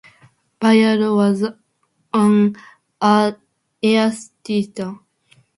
Vavilov was an atheist.